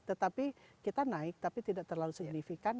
tetapi kita naik tapi tidak terlalu signifikan